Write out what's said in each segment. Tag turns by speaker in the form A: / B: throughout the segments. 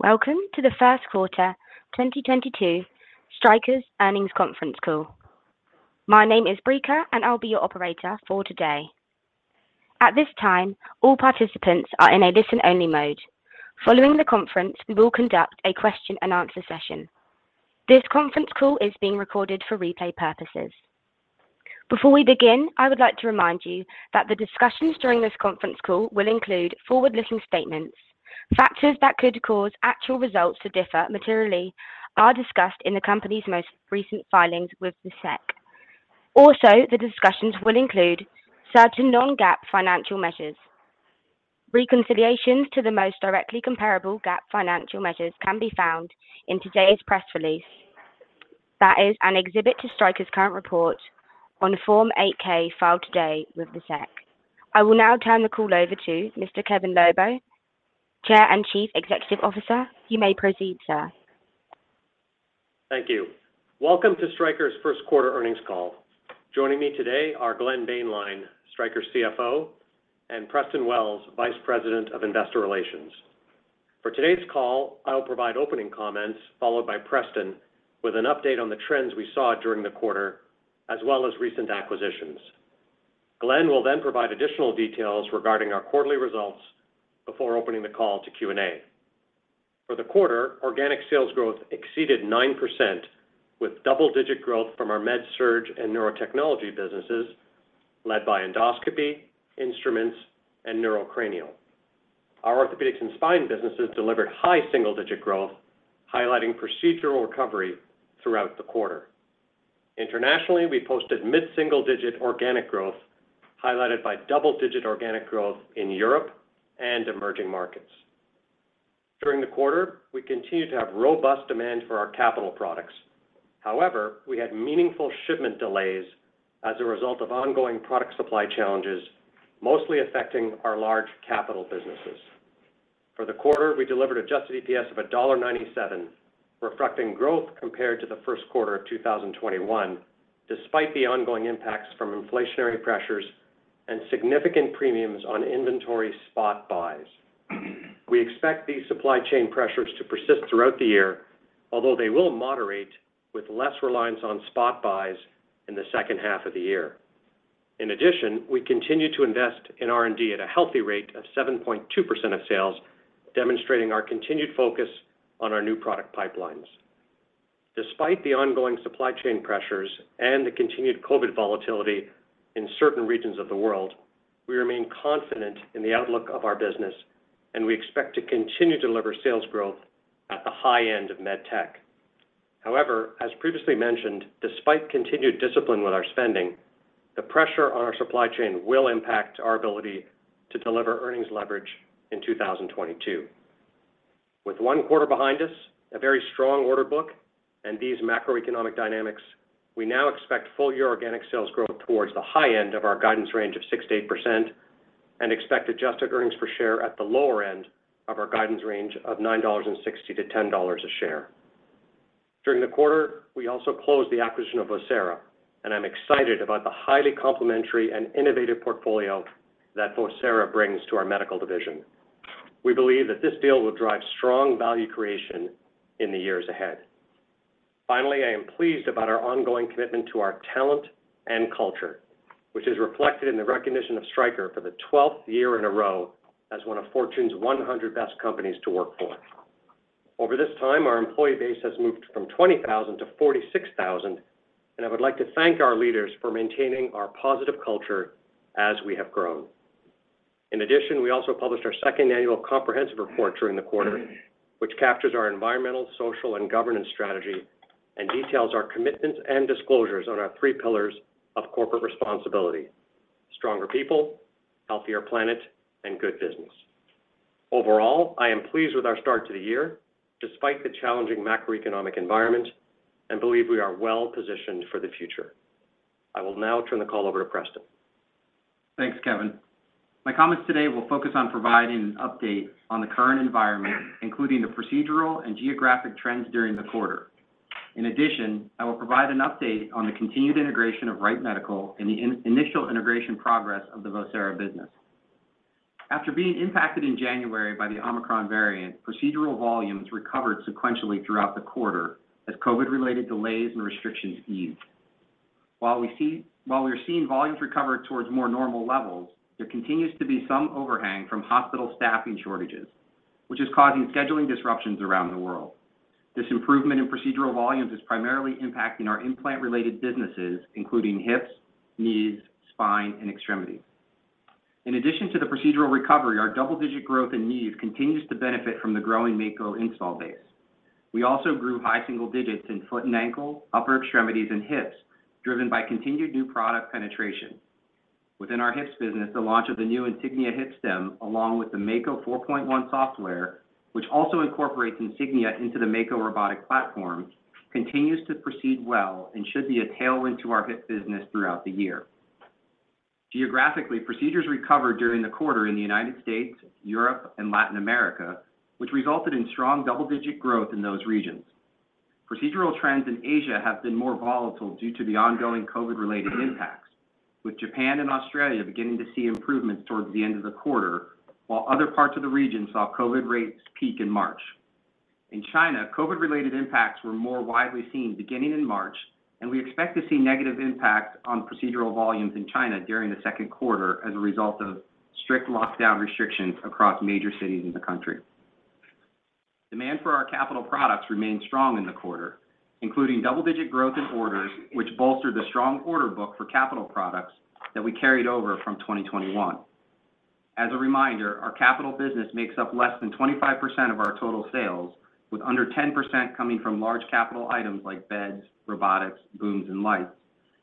A: Welcome to the first quarter 2022 Stryker's earnings conference call. My name is Brica, and I'll be your operator for today. At this time, all participants are in a listen-only mode. Following the conference, we will conduct a question-and-answer session. This conference call is being recorded for replay purposes. Before we begin, I would like to remind you that the discussions during this conference call will include forward-looking statements. Factors that could cause actual results to differ materially are discussed in the company's most recent filings with the SEC. Also, the discussions will include certain non-GAAP financial measures. Reconciliations to the most directly comparable GAAP financial measures can be found in today's press release. That is an exhibit to Stryker's current report on Form 8-K filed today with the SEC. I will now turn the call over to Mr. Kevin Lobo, Chair and Chief Executive Officer. You may proceed, sir.
B: Thank you. Welcome to Stryker's first quarter earnings call. Joining me today are Glenn Boehnlein, Stryker CFO, and Preston, Vice President of Investor Relations. For today's call, I will provide opening comments, followed by Preston Wells with an update on the trends we saw during the quarter, as well as recent acquisitions. Glenn will then provide additional details regarding our quarterly results before opening the call to Q&A. For the quarter, organic sales growth exceeded 9% with double-digit growth from our MedSurg and Neurotechnology businesses led by endoscopy, instruments, and neuro and cranial. Our orthopedics and spine businesses delivered high single-digit growth, highlighting procedural recovery throughout the quarter. Internationally, we posted mid-single digit organic growth, highlighted by double-digit organic growth in Europe and emerging markets. During the quarter, we continued to have robust demand for our capital products. However, we had meaningful shipment delays as a result of ongoing product supply challenges, mostly affecting our large capital businesses. For the quarter, we delivered adjusted EPS of $1.97, reflecting growth compared to the first quarter of 2021, despite the ongoing impacts from inflationary pressures and significant premiums on inventory spot buys. We expect these supply chain pressures to persist throughout the year, although they will moderate with less reliance on spot buys in the second half of the year. In addition, we continue to invest in R&D at a healthy rate of 7.2% of sales, demonstrating our continued focus on our new product pipelines. Despite the ongoing supply chain pressures and the continued COVID volatility in certain regions of the world, we remain confident in the outlook of our business, and we expect to continue to deliver sales growth at the high end of med tech. However, as previously mentioned, despite continued discipline with our spending, the pressure on our supply chain will impact our ability to deliver earnings leverage in 2022. With one quarter behind us, a very strong order book, and these macroeconomic dynamics, we now expect full year organic sales growth towards the high end of our guidance range of 6%-8% and expect adjusted earnings per share at the lower end of our guidance range of $9.60-$10 a share. During the quarter, we also closed the acquisition of Vocera, and I'm excited about the highly complementary and innovative portfolio that Vocera brings to our medical division. We believe that this deal will drive strong value creation in the years ahead. Finally, I am pleased about our ongoing commitment to our talent and culture, which is reflected in the recognition of Stryker for the 12th year in a row as one of Fortune's 100 Best Companies to Work For. Over this time, our employee base has moved from 20,000 to 46,000, and I would like to thank our leaders for maintaining our positive culture as we have grown. In addition, we also published our second annual comprehensive report during the quarter, which captures our environmental, social, and governance strategy and details our commitments and disclosures on our three pillars of corporate responsibility, stronger people, healthier planet, and good business. Overall, I am pleased with our start to the year despite the challenging macroeconomic environment and believe we are well positioned for the future. I will now turn the call over to Preston.
C: Thanks, Kevin. My comments today will focus on providing an update on the current environment, including the procedural and geographic trends during the quarter. In addition, I will provide an update on the continued integration of Wright Medical and the initial integration progress of the Vocera business. After being impacted in January by the Omicron variant, procedural volumes recovered sequentially throughout the quarter as COVID-related delays and restrictions eased. While we're seeing volumes recover towards more normal levels, there continues to be some overhang from hospital staffing shortages, which is causing scheduling disruptions around the world. This improvement in procedural volumes is primarily impacting our implant-related businesses, including hips, knees, spine, and extremities. In addition to the procedural recovery, our double-digit growth in knees continues to benefit from the growing Mako install base. We also grew high single digits in foot and ankle, upper extremities, and hips, driven by continued new product penetration. Within our hips business, the launch of the new Insignia hip stem, along with the Mako Total Hip 4.1 software, which also incorporates Insignia into the Mako robotic platform, continues to proceed well and should be a tailwind to our hip business throughout the year. Geographically, procedures recovered during the quarter in the United States, Europe, and Latin America, which resulted in strong double-digit growth in those regions. Procedural trends in Asia have been more volatile due to the ongoing COVID-related impacts, with Japan and Australia beginning to see improvements towards the end of the quarter, while other parts of the region saw COVID rates peak in March. In China, COVID related impacts were more widely seen beginning in March, and we expect to see negative impacts on procedural volumes in China during the second quarter as a result of strict lockdown restrictions across major cities in the country. Demand for our capital products remained strong in the quarter, including double-digit growth in orders, which bolstered the strong order book for capital products that we carried over from 2021. As a reminder, our capital business makes up less than 25% of our total sales, with under 10% coming from large capital items like beds, robotics, booms and lights,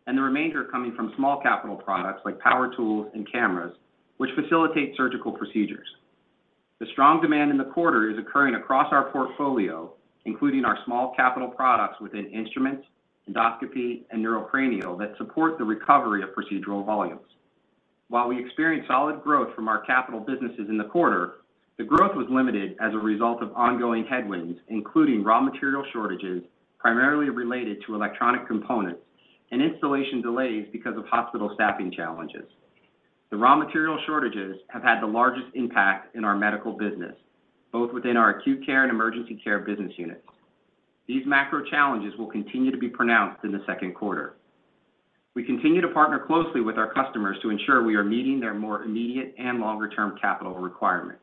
C: and the remainder coming from small capital products like power tools and cameras, which facilitate surgical procedures. The strong demand in the quarter is occurring across our portfolio, including our small capital products within Instruments, Endoscopy, and neuro and cranial that support the recovery of procedural volumes. While we experienced solid growth from our capital businesses in the quarter, the growth was limited as a result of ongoing headwinds, including raw material shortages, primarily related to electronic components and installation delays because of hospital staffing challenges. The raw material shortages have had the largest impact in our medical business, both within our acute care and emergency care business units. These macro challenges will continue to be pronounced in the second quarter. We continue to partner closely with our customers to ensure we are meeting their more immediate and longer term capital requirements.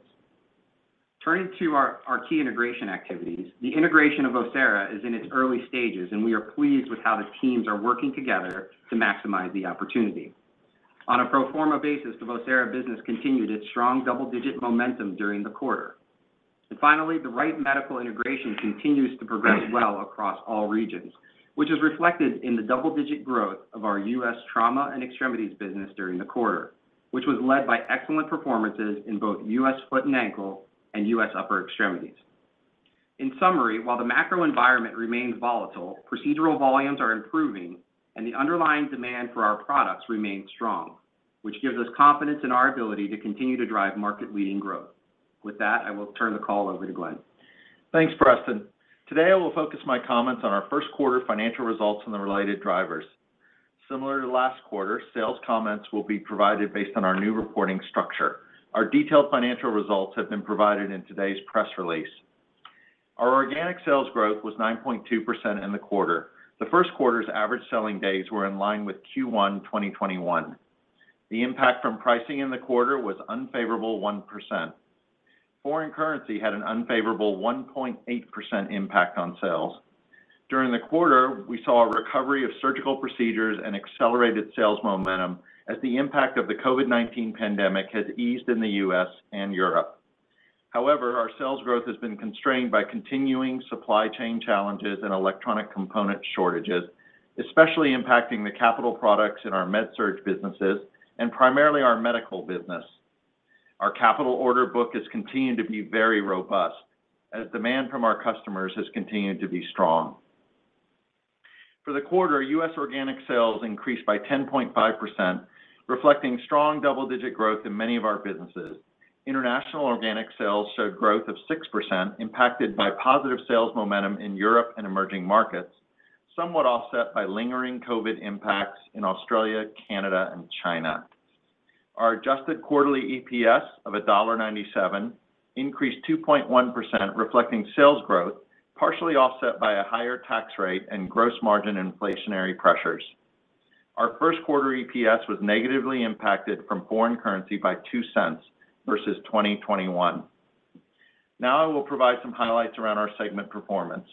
C: Turning to our key integration activities. The integration of Vocera is in its early stages, and we are pleased with how the teams are working together to maximize the opportunity. On a pro forma basis, the Vocera business continued its strong double-digit momentum during the quarter. Finally, the Wright Medical integration continues to progress well across all regions, which is reflected in the double-digit growth of our U.S. trauma and extremities business during the quarter, which was led by excellent performances in both U.S. foot and ankle and U.S. upper extremities. In summary, while the macro environment remains volatile, procedural volumes are improving and the underlying demand for our products remains strong, which gives us confidence in our ability to continue to drive market leading growth. With that, I will turn the call over to Glenn.
D: Thanks, Preston. Today, I will focus my comments on our first quarter financial results and the related drivers. Similar to last quarter, sales comments will be provided based on our new reporting structure. Our detailed financial results have been provided in today's press release. Our organic sales growth was 9.2% in the quarter. The first quarter's average selling days were in line with Q1 2021. The impact from pricing in the quarter was unfavorable 1%. Foreign currency had an unfavorable 1.8% impact on sales. During the quarter, we saw a recovery of surgical procedures and accelerated sales momentum as the impact of the COVID-19 pandemic has eased in the U.S. and Europe. However, our sales growth has been constrained by continuing supply chain challenges and electronic component shortages, especially impacting the capital products in our MedSurg businesses and primarily our medical business. Our capital order book has continued to be very robust as demand from our customers has continued to be strong. For the quarter, U.S. organic sales increased by 10.5%, reflecting strong double-digit growth in many of our businesses. International organic sales showed growth of 6%, impacted by positive sales momentum in Europe and emerging markets, somewhat offset by lingering COVID impacts in Australia, Canada and China. Our adjusted quarterly EPS of $1.97 increased 2.1%, reflecting sales growth, partially offset by a higher tax rate and gross margin inflationary pressures. Our first quarter EPS was negatively impacted from foreign currency by $0.02 versus 2021. Now I will provide some highlights around our segment performance.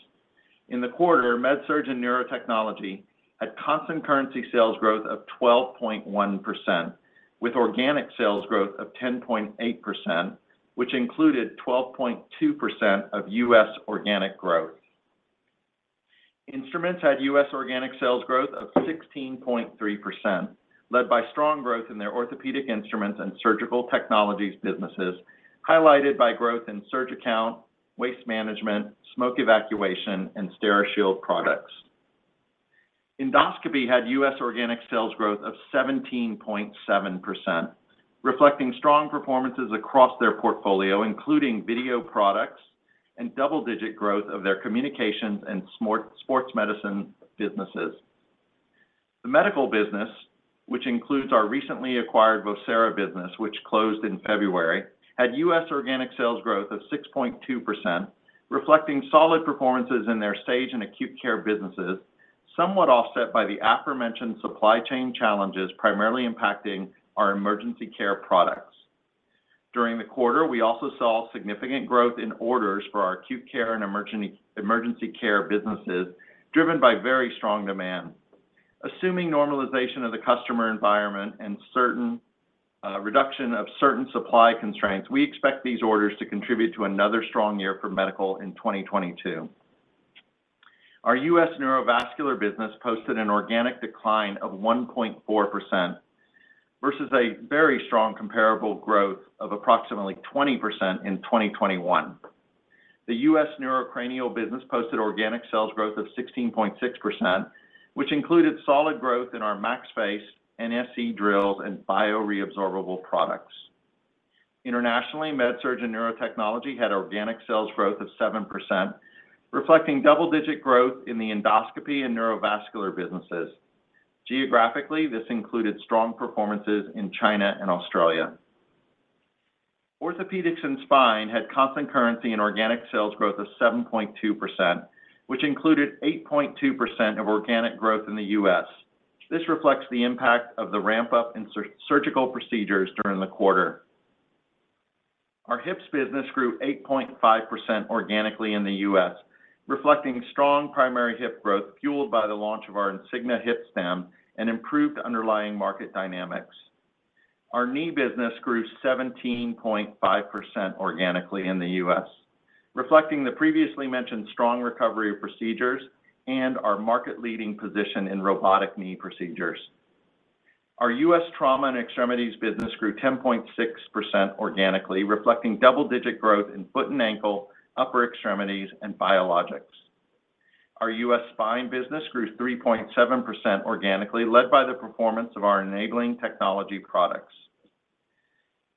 D: In the quarter, MedSurg and Neurotechnology had constant currency sales growth of 12.1%, with organic sales growth of 10.8%, which included 12.2% of U.S. organic growth. Instruments had U.S. organic sales growth of 16.3%, led by strong growth in their orthopedic instruments and surgical technologies businesses, highlighted by growth in SurgiCount, waste management, smoke evacuation and Steri-Shield products. Endoscopy had U.S. organic sales growth of 17.7%, reflecting strong performances across their portfolio, including video products and double-digit growth of their communications and sports medicine businesses. The medical business, which includes our recently acquired Vocera business, which closed in February, had U.S. organic sales growth of 6.2%, reflecting solid performances in their Sage and acute care businesses, somewhat offset by the aforementioned supply chain challenges, primarily impacting our emergency care products. During the quarter, we also saw significant growth in orders for our acute care and emergency care businesses, driven by very strong demand. Assuming normalization of the customer environment and certain reduction of certain supply constraints, we expect these orders to contribute to another strong year for medical in 2022. Our U.S. neurovascular business posted an organic decline of 1.4% versus a very strong comparable growth of approximately 20% in 2021. The U.S. neurocranial business posted organic sales growth of 16.6%, which included solid growth in our MaxFace, NSC drills, and bio-reabsorbable products. Internationally, MedSurg and Neurotechnology had organic sales growth of 7%, reflecting double-digit growth in the endoscopy and neurovascular businesses. Geographically, this included strong performances in China and Australia. Orthopedics and Spine had constant currency and organic sales growth of 7.2%, which included 8.2% of organic growth in the U.S.. This reflects the impact of the ramp-up in surgical procedures during the quarter. Our hips business grew 8.5% organically in the U.S., reflecting strong primary hip growth fueled by the launch of our Insignia hip stem and improved underlying market dynamics. Our knee business grew 17.5% organically in the U.S., reflecting the previously mentioned strong recovery of procedures and our market-leading position in robotic knee procedures. Our U.S. trauma and extremities business grew 10.6% organically, reflecting double-digit growth in foot and ankle, upper extremities, and biologics. Our US spine business grew 3.7% organically, led by the performance of our enabling technology products.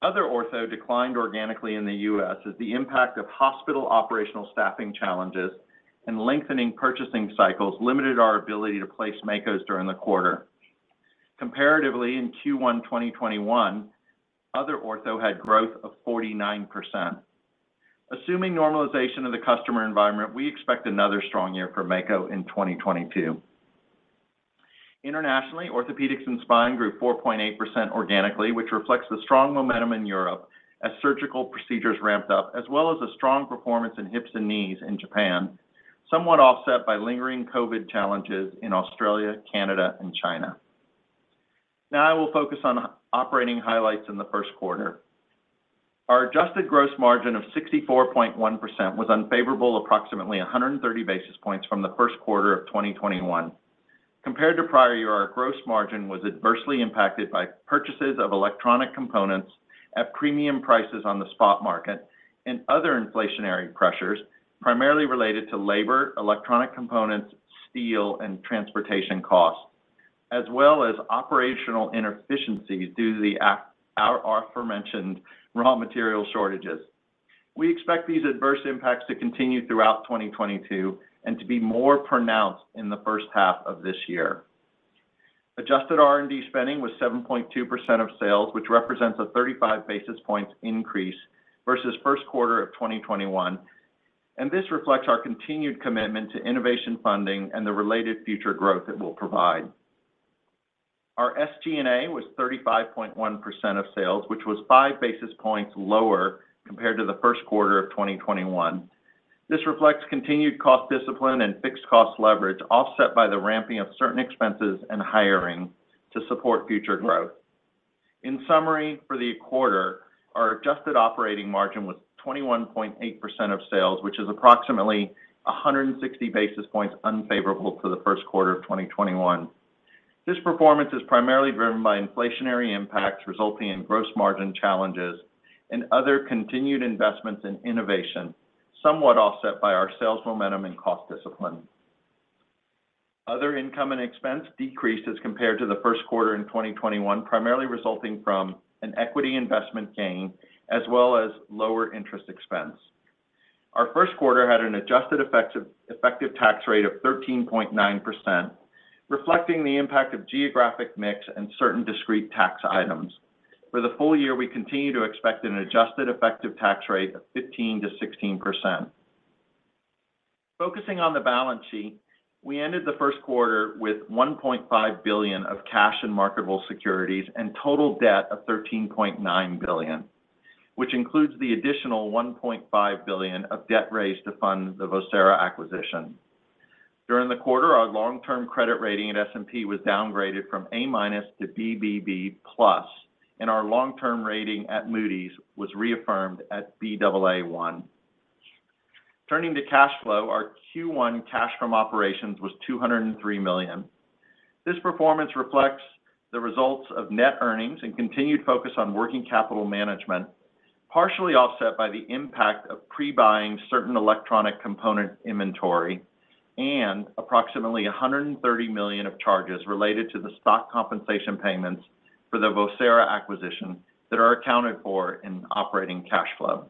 D: Other ortho declined organically in the U.S. as the impact of hospital operational staffing challenges and lengthening purchasing cycles limited our ability to place Mako's during the quarter. Comparatively, in Q1 2021, other ortho had growth of 49%. Assuming normalization of the customer environment, we expect another strong year for Mako in 2022. Internationally, orthopedics and spine grew 4.8% organically, which reflects the strong momentum in Europe as surgical procedures ramped up, as well as a strong performance in hips and knees in Japan, somewhat offset by lingering COVID challenges in Australia, Canada, and China. Now I will focus on operating highlights in the first quarter. Our adjusted gross margin of 64.1% was unfavorable approximately 130 basis points from the first quarter of 2021. Compared to prior year, our gross margin was adversely impacted by purchases of electronic components at premium prices on the spot market and other inflationary pressures primarily related to labor, electronic components, steel, and transportation costs, as well as operational inefficiencies due to our aforementioned raw material shortages. We expect these adverse impacts to continue throughout 2022, and to be more pronounced in the first half of this year. Adjusted R&D spending was 7.2% of sales, which represents a 35 basis points increase versus first quarter of 2021, and this reflects our continued commitment to innovation funding and the related future growth it will provide. Our SG&A was 35.1% of sales, which was 5 basis points lower compared to the first quarter of 2021. This reflects continued cost discipline and fixed cost leverage, offset by the ramping of certain expenses and hiring to support future growth. In summary, for the quarter, our adjusted operating margin was 21.8% of sales, which is approximately 160 basis points unfavorable to the first quarter of 2021. This performance is primarily driven by inflationary impacts resulting in gross margin challenges and other continued investments in innovation, somewhat offset by our sales momentum and cost discipline. Other income and expense decreased as compared to the first quarter in 2021, primarily resulting from an equity investment gain as well as lower interest expense. Our first quarter had an adjusted effective tax rate of 13.9%, reflecting the impact of geographic mix and certain discrete tax items. For the full year, we continue to expect an adjusted effective tax rate of 15%-16%. Focusing on the balance sheet, we ended the first quarter with $1.5 billion of cash and marketable securities and total debt of $13.9 billion, which includes the additional $1.5 billion of debt raised to fund the Vocera acquisition. During the quarter, our long-term credit rating at S&P was downgraded from A- to BBB+, and our long-term rating at Moody's was reaffirmed at Baa1. Turning to cash flow, our Q1 cash from operations was $203 million. This performance reflects the results of net earnings and continued focus on working capital management, partially offset by the impact of pre-buying certain electronic component inventory and approximately $130 million of charges related to the stock compensation payments for the Vocera acquisition that are accounted for in operating cash flow.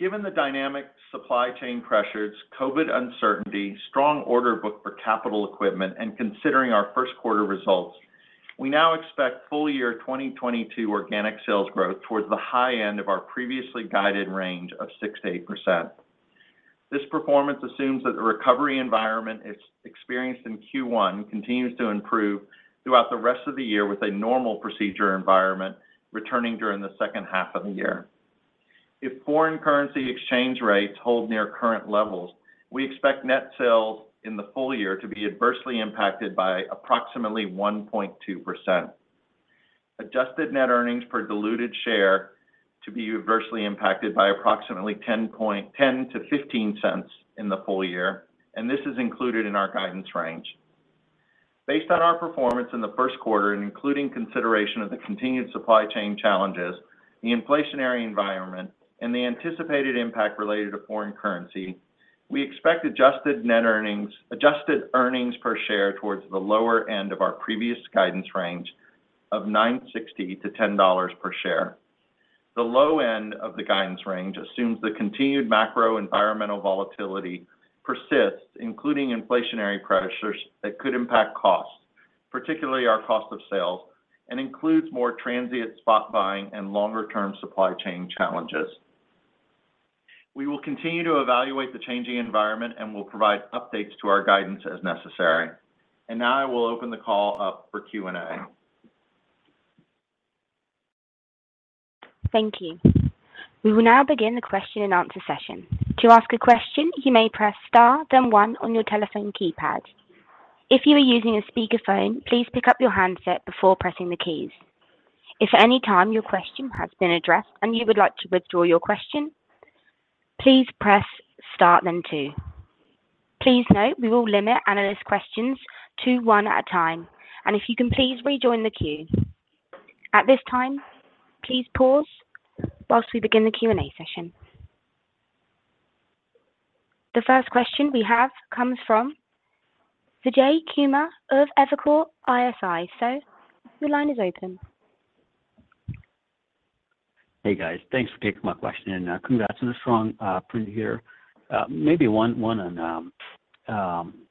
D: Given the dynamic supply chain pressures, COVID uncertainty, strong order book for capital equipment, and considering our first quarter results, we now expect full year 2022 organic sales growth towards the high end of our previously guided range of 6%-8%. This performance assumes that the recovery environment experienced in Q1 continues to improve throughout the rest of the year with a normal procedure environment returning during the second half of the year. If foreign currency exchange rates hold near current levels, we expect net sales in the full year to be adversely impacted by approximately 1.2%. Adjusted net earnings per diluted share to be adversely impacted by approximately $0.10-$0.15 in the full year, and this is included in our guidance range. Based on our performance in the first quarter and including consideration of the continued supply chain challenges, the inflationary environment, and the anticipated impact related to foreign currency
B: We expect adjusted net earnings, adjusted earnings per share towards the lower end of our previous guidance range of $9.60-$10 per share. The low end of the guidance range assumes the continued macro environmental volatility persists, including inflationary pressures that could impact costs, particularly our cost of sales, and includes more transient spot buying and longer-term supply chain challenges. We will continue to evaluate the changing environment and will provide updates to our guidance as necessary. Now I will open the call up for Q&A.
A: Thank you. We will now begin the question and answer session. To ask a question, you may press star, then one on your telephone keypad. If you are using a speakerphone, please pick up your handset before pressing the keys. If any time your question has been addressed and you would like to withdraw your question, please press star then two. Please note we will limit analyst questions to one at a time. If you can, please rejoin the queue. At this time, please pause while we begin the Q&A session. The first question we have comes from Vijay Kumar of Evercore ISI. Sir, your line is open.
E: Hey, guys. Thanks for taking my question. Congrats on the strong print here. Maybe one on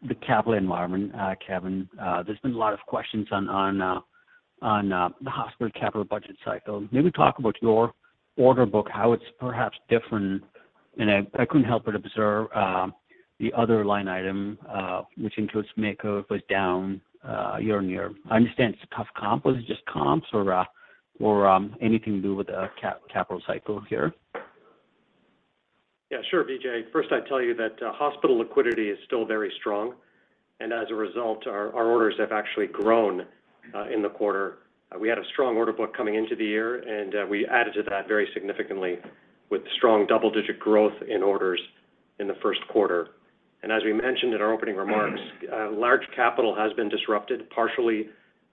E: the capital environment, Kevin. There's been a lot of questions on the hospital capital budget cycle. Maybe talk about your order book, how it's perhaps different. I couldn't help but observe the other line item, which includes Mako, it was down year-over-year. I understand it's a tough comp. Was it just comps or anything to do with the capital cycle here?
B: Yeah, sure, Vijay. First, I'd tell you that hospital liquidity is still very strong. As a result, our orders have actually grown in the quarter. We had a strong order book coming into the year, and we added to that very significantly with strong double-digit growth in orders in the first quarter. As we mentioned in our opening remarks, large capital has been disrupted partially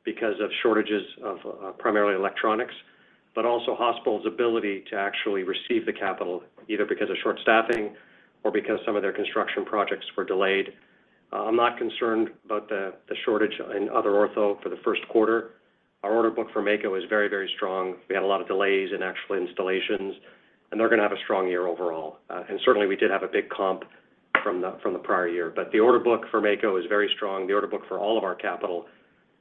B: because of shortages of primarily electronics, but also hospitals' ability to actually receive the capital, either because of short staffing or because some of their construction projects were delayed. I'm not concerned about the shortage in other ortho for the first quarter. Our order book for Mako is very, very strong. We had a lot of delays in actual installations, and they're going to have a strong year overall. Certainly, we did have a big comp from the prior year. The order book for Mako is very strong. The order book for all of our capital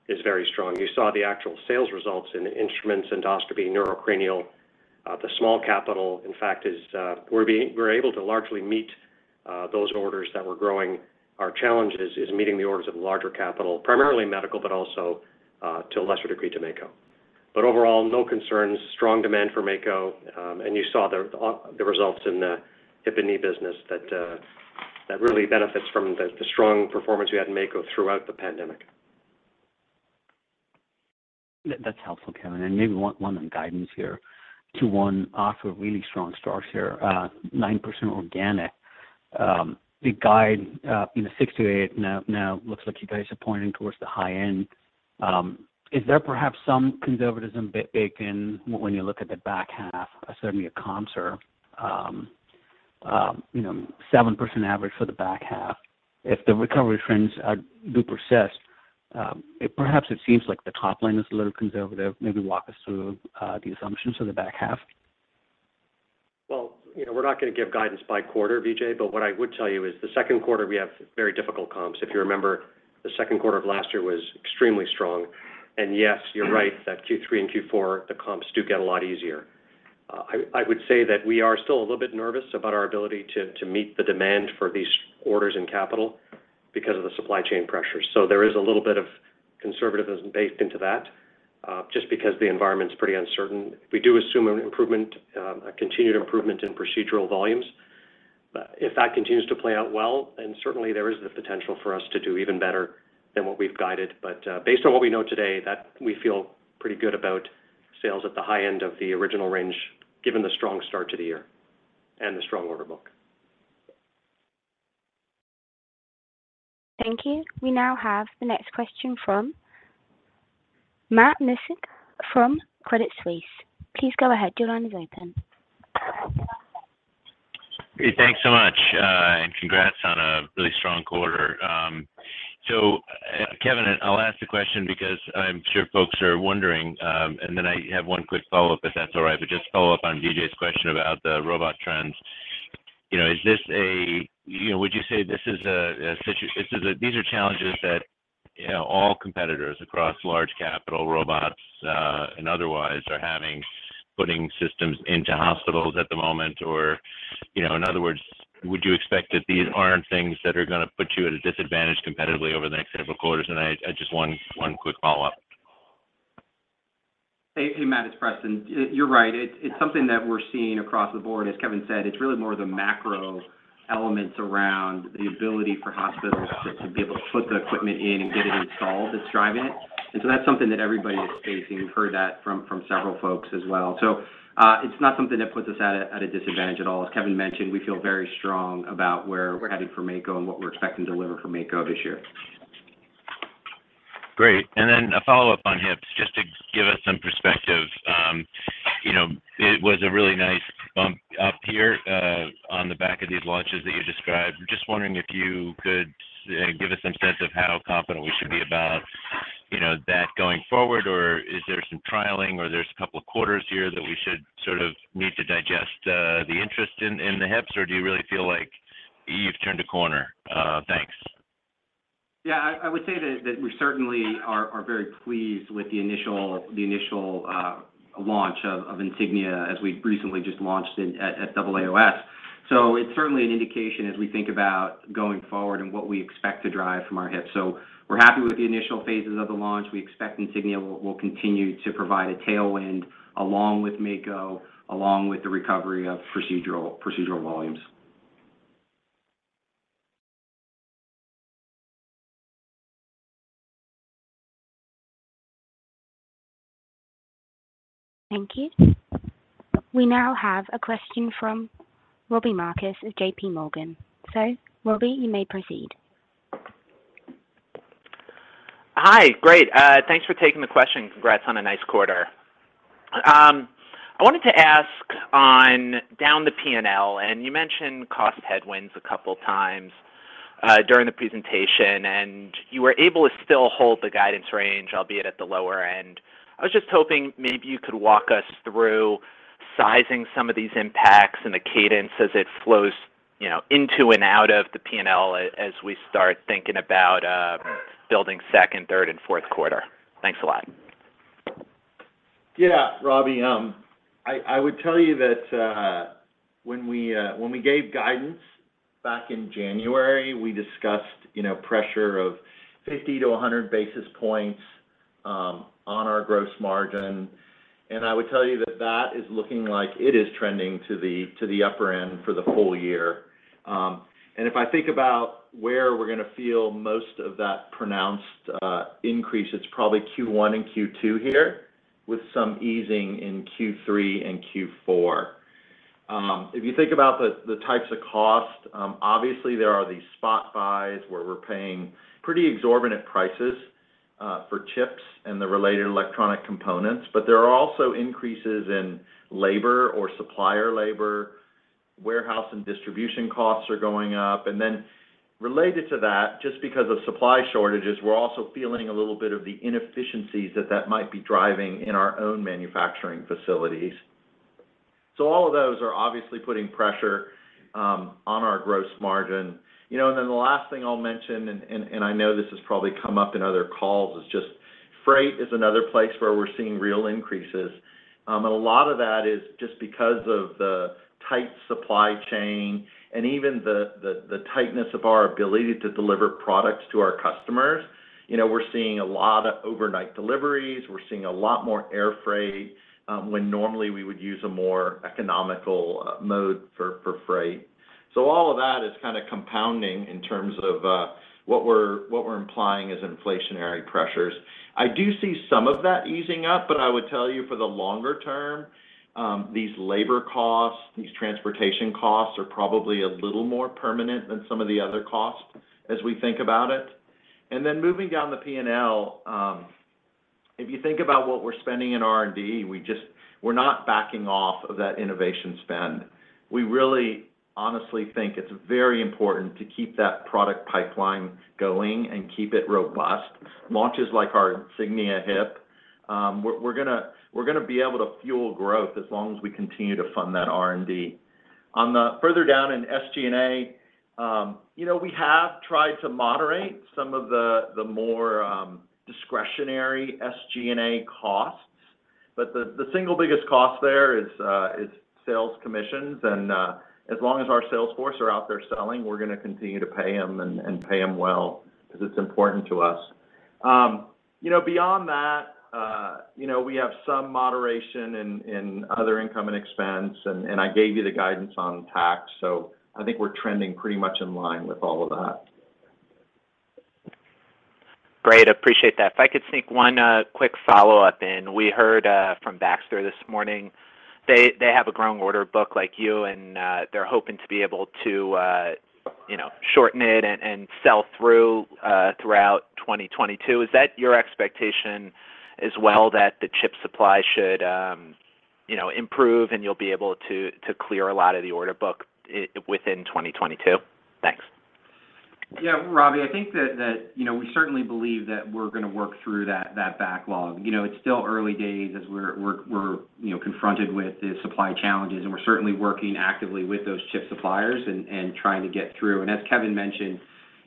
B: is very strong. You saw the actual sales results in instruments, endoscopy, neurocranial. The small capital, in fact, we're able to largely meet those orders that we're growing. Our challenge is meeting the orders of larger capital, primarily medical, but also, to a lesser degree to Mako. Overall, no concerns, strong demand for Mako. You saw the results in the hip and knee business that really benefits from the strong performance we had in Mako throughout the pandemic.
E: That's helpful, Kevin. Maybe one on guidance here. Q1 off to a really strong start here, 9% organic. The guide, you know, 6%-8% now looks like you guys are pointing towards the high end. Is there perhaps some conservatism baked in when you look at the back half? Certainly your comps are, you know, 7% average for the back half. If the recovery trends do persist, perhaps it seems like the top line is a little conservative, maybe walk us through the assumptions for the back half.
B: Well, you know, we're not going to give guidance by quarter, Vijay, but what I would tell you is the second quarter we have very difficult comps. If you remember, the second quarter of last year was extremely strong. Yes, you're right that Q3 and Q4, the comps do get a lot easier. I would say that we are still a little bit nervous about our ability to meet the demand for these orders in capital because of the supply chain pressures. There is a little bit of conservatism baked into that, just because the environment is pretty uncertain. We do assume an improvement, a continued improvement in procedural volumes. If that continues to play out well, and certainly there is the potential for us to do even better than what we've guided. based on what we know today, that we feel pretty good about sales at the high end of the original range, given the strong start to the year and the strong order book.
A: Thank you. We now have the next question from Matt Miksic from Credit Suisse. Please go ahead. Your line is open.
F: Hey, thanks so much. Congrats on a really strong quarter. Kevin, I'll ask the question because I'm sure folks are wondering, and then I have one quick follow-up, if that's all right. Just follow up on Vijay's question about the robot trends. You know, would you say these are challenges that, you know, all competitors across large capital robots, and otherwise are having putting systems into hospitals at the moment or, you know, in other words, would you expect that these aren't things that are gonna put you at a disadvantage competitively over the next several quarters? I just one quick follow-up.
C: Hey, Matt, it's Preston. You're right. It's something that we're seeing across the board. As Kevin said, it's really more the macro elements around the ability for hospitals to be able to put the equipment in and get it installed that's driving it. That's something that everybody is facing. We've heard that from several folks as well. It's not something that puts us at a disadvantage at all. As Kevin mentioned, we feel very strong about where we're heading for Mako and what we're expecting to deliver for Mako this year.
F: Great. A follow-up on hips, just to give us some perspective, you know, it was a really nice bump up here, on the back of these launches that you described. I'm just wondering if you could give us some sense of how confident we should be about, you know, that going forward, or is there some trialing or there's a couple of quarters here that we should sort of need to digest, the interest in the hips, or do you really feel like you've turned a corner? Thanks.
C: Yeah, I would say that we certainly are very pleased with the initial launch of Insignia as we recently just launched it at AAOS. It's certainly an indication as we think about going forward and what we expect to drive from our hips. We're happy with the initial phases of the launch. We expect Insignia will continue to provide a tailwind along with Mako, along with the recovery of procedural volumes.
A: Thank you. We now have a question from Robbie Marcus at J.P. Morgan. Robbie, you may proceed.
G: Hi. Great. Thanks for taking the question. Congrats on a nice quarter. I wanted to ask on down the P&L, and you mentioned cost headwinds a couple times during the presentation, and you were able to still hold the guidance range, albeit at the lower end. I was just hoping maybe you could walk us through sizing some of these impacts and the cadence as it flows, you know, into and out of the P&L as we start thinking about building second, third, and fourth quarter. Thanks a lot.
D: Yeah. Robbie, I would tell you that when we gave guidance back in January, we discussed, you know, pressure of 50-100 basis points on our gross margin. I would tell you that that is looking like it is trending to the upper end for the whole year. If I think about where we're gonna feel most of that pronounced increase, it's probably Q1 and Q2 here with some easing in Q3 and Q4. If you think about the types of costs, obviously there are these spot buys where we're paying pretty exorbitant prices for chips and the related electronic components, but there are also increases in labor or supplier labor, warehouse and distribution costs are going up. Then related to that, just because of supply shortages, we're also feeling a little bit of the inefficiencies that that might be driving in our own manufacturing facilities. So all of those are obviously putting pressure on our gross margin. You know, and then the last thing I'll mention, and I know this has probably come up in other calls, is just freight is another place where we're seeing real increases. And a lot of that is just because of the tight supply chain and even the tightness of our ability to deliver products to our customers. You know, we're seeing a lot of overnight deliveries. We're seeing a lot more air freight when normally we would use a more economical mode for freight. All of that is kinda compounding in terms of what we're implying as inflationary pressures. I do see some of that easing up, but I would tell you for the longer term, these labor costs, these transportation costs are probably a little more permanent than some of the other costs as we think about it. Moving down the P&L, if you think about what we're spending in R&D, we're not backing off of that innovation spend. We really honestly think it's very important to keep that product pipeline going and keep it robust. Launches like our Insignia Hip, we're gonna be able to fuel growth as long as we continue to fund that R&D. On the Further down in SG&A, you know, we have tried to moderate some of the more discretionary SG&A costs, but the single biggest cost there is sales commissions. As long as our sales force are out there selling, we're gonna continue to pay them and pay them well because it's important to us. You know, beyond that, you know, we have some moderation in other income and expense, and I gave you the guidance on tax, so I think we're trending pretty much in line with all of that.
G: Great. Appreciate that. If I could sneak one, quick follow-up in. We heard from Baxter this morning, they have a growing order book like you and, they're hoping to be able to, you know, shorten it and sell through throughout 2022. Is that your expectation as well, that the chip supply should, you know, improve and you'll be able to clear a lot of the order book within 2022? Thanks.
C: Yeah. Robbie, I think that you know, we certainly believe that we're gonna work through that backlog. You know, it's still early days as we're you know, confronted with the supply challenges, and we're certainly working actively with those chip suppliers and trying to get through. As Kevin mentioned,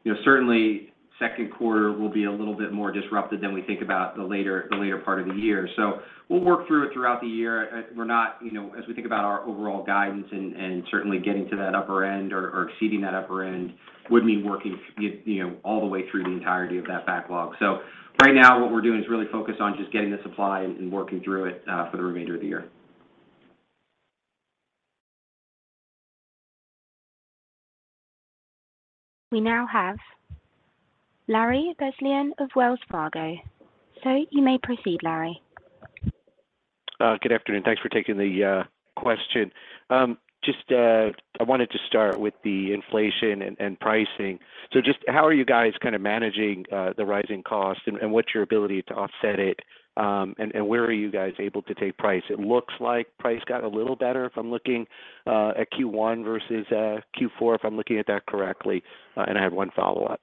C: you know, certainly second quarter will be a little bit more disrupted than we think about the later part of the year. We'll work through it throughout the year. You know, as we think about our overall guidance and certainly getting to that upper end or exceeding that upper end would mean working you know, all the way through the entirety of that backlog. Right now what we're doing is really focused on just getting the supply and working through it, for the remainder of the year.
A: We now have Larry Biegelsen of Wells Fargo. You may proceed, Larry.
H: Good afternoon. Thanks for taking the question. I wanted to start with the inflation and pricing. Just how are you guys kind of managing the rising cost, and what's your ability to offset it, and where are you guys able to take price? It looks like price got a little better if I'm looking at Q1 versus Q4, if I'm looking at that correctly. I have one follow-up.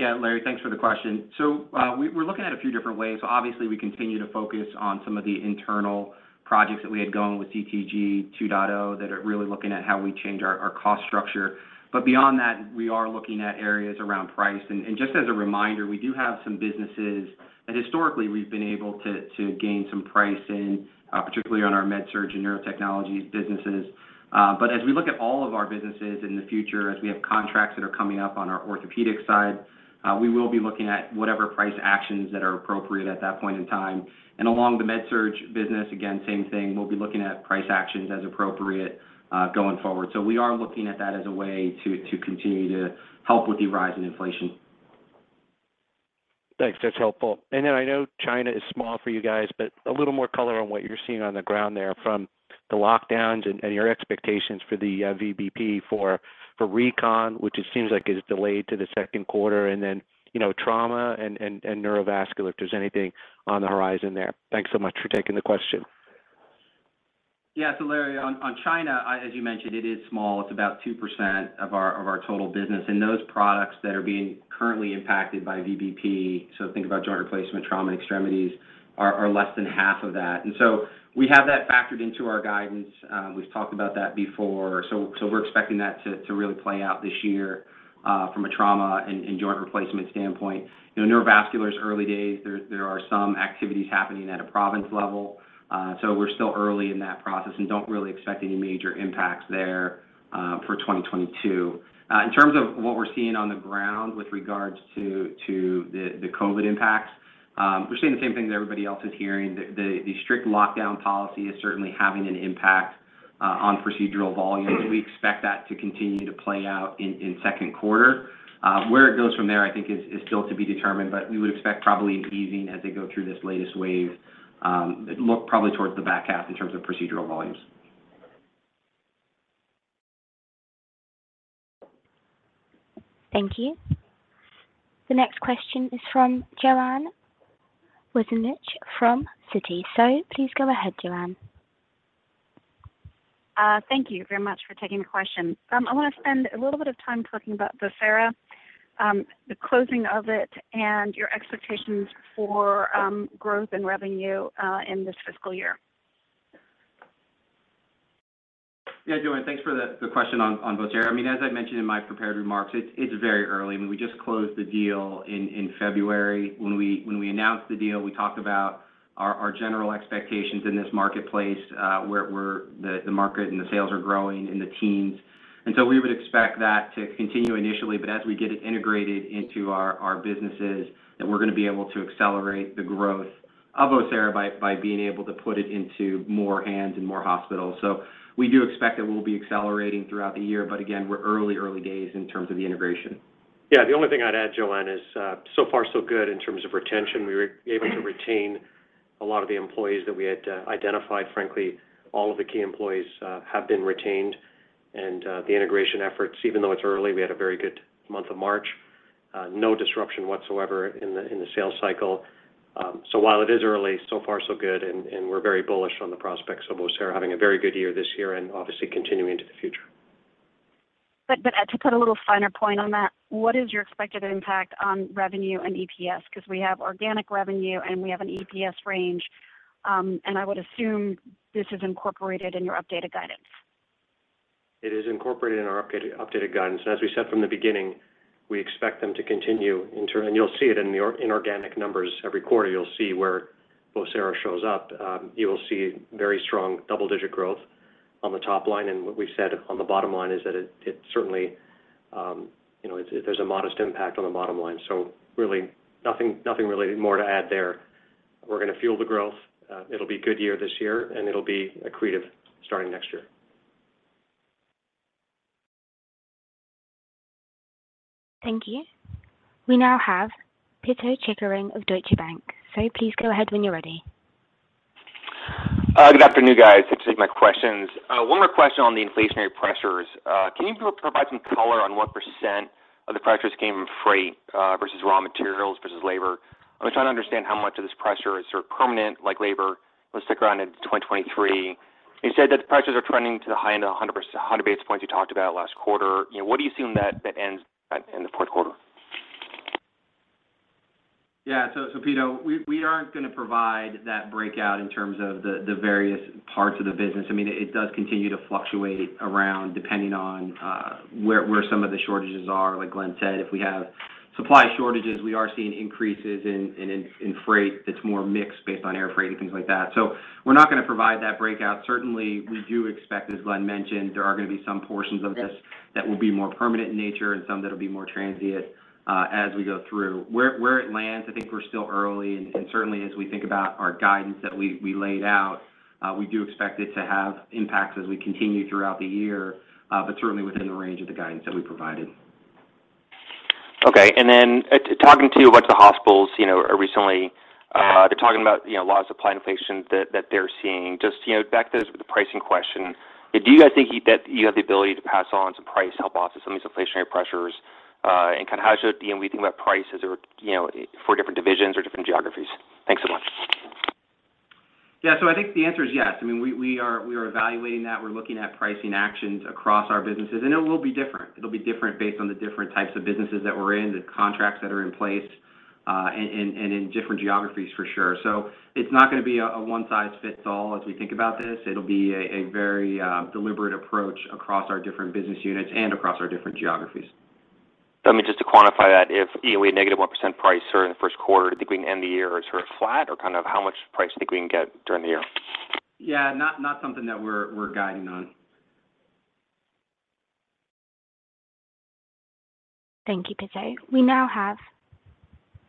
C: Yeah. Larry, thanks for the question. We're looking at a few different ways. Obviously, we continue to focus on some of the internal projects that we had going with CTG 2.0 that are really looking at how we change our cost structure. Beyond that, we are looking at areas around price. Just as a reminder, we do have some businesses that historically we've been able to gain some price in, particularly on our MedSurg and Neurotechnology businesses. As we look at all of our businesses in the future, as we have contracts that are coming up on our orthopedic side, we will be looking at whatever price actions that are appropriate at that point in time. Along the MedSurg business, again, same thing. We'll be looking at price actions as appropriate, going forward. We are looking at that as a way to continue to help with the rise in inflation.
H: Thanks. That's helpful. Then I know China is small for you guys, but a little more color on what you're seeing on the ground there from the lockdowns and your expectations for the VBP for recon, which it seems like is delayed to the second quarter, and then, you know, trauma and neurovascular, if there's anything on the horizon there. Thanks so much for taking the question.
C: Larry, on China, as you mentioned, it is small. It's about 2% of our total business. Those products that are being currently impacted by VBP, so think about joint replacement, trauma, and extremities, are less than half of that. We have that factored into our guidance. We've talked about that before. We're expecting that to really play out this year, from a trauma and joint replacement standpoint. You know, neurovascular is early days. There are some activities happening at a province level, so we're still early in that process and don't really expect any major impacts there, for 2022. In terms of what we're seeing on the ground with regards to the COVID impacts, we're seeing the same thing that everybody else is hearing. The strict lockdown policy is certainly having an impact on procedural volumes. We expect that to continue to play out in second quarter. Where it goes from there, I think is still to be determined, but we would expect probably easing as they go through this latest wave, look probably towards the back half in terms of procedural volumes.
A: Thank you. The next question is from Joanne Wuensch from Citi. Please go ahead, Joanne.
I: Thank you very much for taking the question. I wanna spend a little bit of time talking about the Vocera, the closing of it and your expectations for growth and revenue in this fiscal year.
C: Yeah. Joanne, thanks for the question on Vocera. I mean, as I mentioned in my prepared remarks, it's very early. I mean, we just closed the deal in February. When we announced the deal, we talked about our general expectations in this marketplace, where the market and the sales are growing in the teens. We would expect that to continue initially, but as we get it integrated into our businesses, that we're gonna be able to accelerate the growth of Vocera by being able to put it into more hands and more hospitals. We do expect that we'll be accelerating throughout the year, but again, we're early days in terms of the integration.
B: Yeah. The only thing I'd add, Joanne, is so far so good in terms of retention. We were able to retain a lot of the employees that we had identified. Frankly, all of the key employees have been retained and the integration efforts, even though it's early, we had a very good month of March. No disruption whatsoever in the sales cycle. So while it is early, so far so good, and we're very bullish on the prospects of Vocera having a very good year this year and obviously continuing into the future.
I: To put a little finer point on that, what is your expected impact on revenue and EPS? 'Cause we have organic revenue, and we have an EPS range, and I would assume this is incorporated in your updated guidance.
B: It is incorporated in our updated guidance. As we said from the beginning, we expect them to continue in turn, and you'll see it in the organic numbers every quarter. You'll see where Vocera shows up. You will see very strong double-digit growth on the top line. What we've said on the bottom line is that it certainly there's a modest impact on the bottom line. Really nothing really more to add there. We're gonna fuel the growth. It'll be a good year this year, and it'll be accretive starting next year.
A: Thank you. We now have Pito Chickering of Deutsche Bank. Please go ahead when you're ready.
H: Good afternoon, guys. Thanks for taking my questions. One more question on the inflationary pressures. Can you provide some color on what percent of the pressures came from freight versus raw materials versus labor? I'm trying to understand how much of this pressure is sort of permanent like labor will stick around into 2023. You said that the pressures are trending to the high end of 100 basis points you talked about last quarter. You know, what are you seeing that ends up in the fourth quarter?
C: Yeah. Pito, we aren't gonna provide that breakout in terms of the various parts of the business. I mean, it does continue to fluctuate around depending on where some of the shortages are. Like Glenn said, if we have supply shortages, we are seeing increases in freight that's more mixed based on air freight and things like that. We're not gonna provide that breakout. Certainly, we do expect, as Glenn mentioned, there are gonna be some portions of this that will be more permanent in nature and some that'll be more transient as we go through. Where it lands, I think we're still early. Certainly as we think about our guidance that we laid out, we do expect it to have impacts as we continue throughout the year, but certainly within the range of the guidance that we provided.
B: Okay. Talking to a bunch of hospitals, you know, recently, they're talking about, you know, a lot of supply inflation that they're seeing. Just, you know, back to the pricing question, do you guys think that you have the ability to pass on some pricing to offset some of these inflationary pressures? Kind of how should, you know, we think about prices or, you know, for different divisions or different geographies? Thanks so much.
C: Yeah. I think the answer is yes. I mean, we are evaluating that. We're looking at pricing actions across our businesses, and it will be different. It'll be different based on the different types of businesses that we're in, the contracts that are in place, and in different geographies for sure. It's not gonna be a one-size-fits-all as we think about this. It'll be a very deliberate approach across our different business units and across our different geographies.
J: Let me just try to quantify that. If, you know, we had -1% price sort of in the first quarter, do you think we can end the year sort of flat or kind of how much price do you think we can get during the year?
C: Yeah, not something that we're guiding on.
A: Thank you, Pito. We now have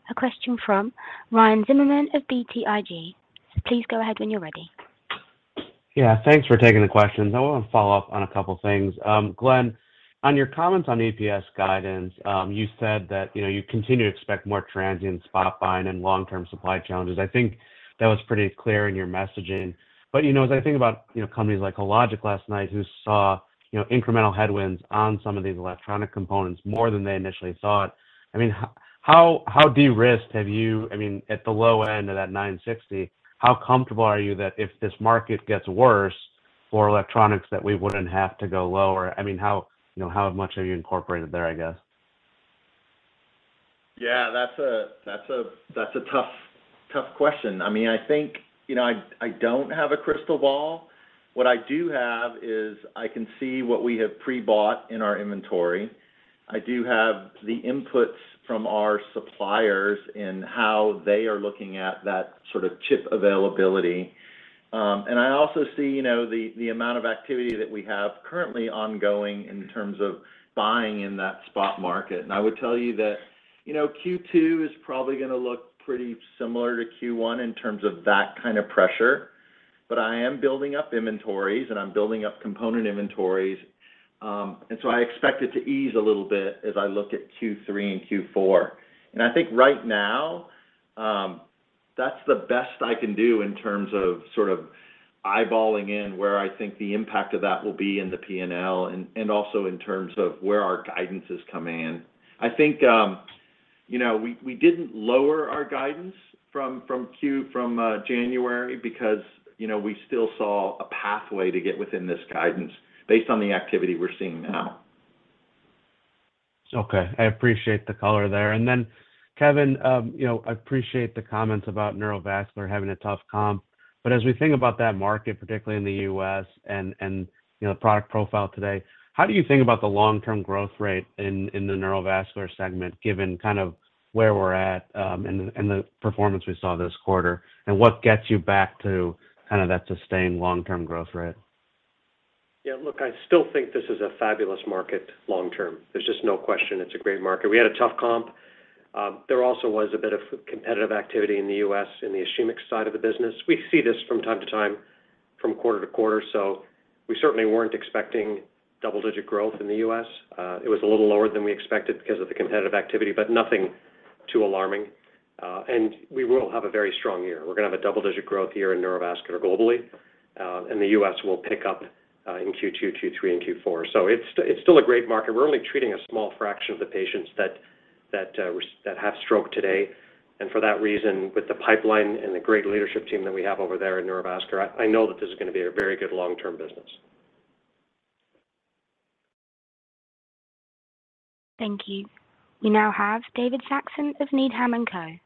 A: a question from Ryan Zimmerman of BTIG. Please go ahead when you're ready.
K: Yeah, thanks for taking the questions. I wanna follow up on a couple things. Glenn, on your comments on EPS guidance, you said that, you know, you continue to expect more transient spot buying and long-term supply challenges. I think that was pretty clear in your messaging. You know, as I think about, you know, companies like Hologic last night who saw, you know, incremental headwinds on some of these electronic components more than they initially thought, I mean, how de-risked have you? I mean, at the low end of that $9.60, how comfortable are you that if this market gets worse for electronics, that we wouldn't have to go lower? I mean, how, you know, how much have you incorporated there, I guess?
D: Yeah, that's a tough question. I mean, I think, you know, I don't have a crystal ball. What I do have is I can see what we have pre-bought in our inventory. I do have the inputs from our suppliers in how they are looking at that sort of chip availability. And I also see, you know, the amount of activity that we have currently ongoing in terms of buying in that spot market. I would tell you that, you know, Q2 is probably gonna look pretty similar to Q1 in terms of that kind of pressure. But I am building up inventories, and I'm building up component inventories, and so I expect it to ease a little bit as I look at Q3 and Q4. I think right now, that's the best I can do in terms of sort of eyeballing in where I think the impact of that will be in the P&L and also in terms of where our guidance is coming in. I think, you know, we didn't lower our guidance from January because, you know, we still saw a pathway to get within this guidance based on the activity we're seeing now.
K: Okay. I appreciate the color there. Kevin, you know, I appreciate the comments about neurovascular having a tough comp. But as we think about that market, particularly in the U.S. and, you know, the product profile today, how do you think about the long-term growth rate in the neurovascular segment given kind of where we're at, and the performance we saw this quarter, and what gets you back to kind of that sustained long-term growth rate?
B: Yeah, look, I still think this is a fabulous market long term. There's just no question it's a great market. We had a tough comp. There also was a bit of competitive activity in the U.S. in the ischemic side of the business. We see this from time to time, from quarter to quarter, so we certainly weren't expecting double-digit growth in the U.S. It was a little lower than we expected because of the competitive activity, but nothing too alarming. We will have a very strong year. We're gonna have a double-digit growth year in neurovascular globally, and the U.S. will pick up, in Q2, Q3, and Q4. It's still a great market. We're only treating a small fraction of the patients that have stroke today. For that reason, with the pipeline and the great leadership team that we have over there at Neurovascular, I know that this is gonna be a very good long-term business.
A: Thank you. You now have David Saxon of Needham & Company.